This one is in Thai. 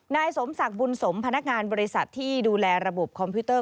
นายสมศักดิ์บุญสมพนักงานบริษัทที่ดูแลระบบคอมพิวเตอร์